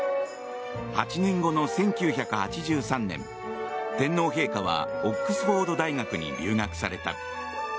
８年後の１９８３年天皇陛下はオックスフォード大学に留学された。